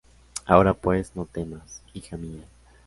Ahora pues, no temas, hija mía: